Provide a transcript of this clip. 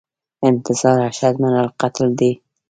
انتظار اشد من القتل دی